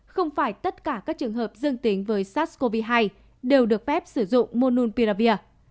không phải tất cả các trường hợp dương tính với sars cov hai đều được phép sử dụng mononpiravir